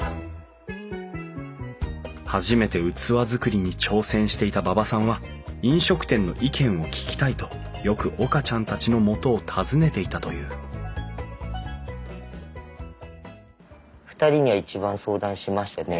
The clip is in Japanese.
初めて器作りに挑戦していた馬場さんは飲食店の意見を聞きたいとよく岡ちゃんたちのもとを訪ねていたという２人には一番相談しましたねはい。